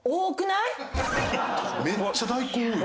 めっちゃ大根多い。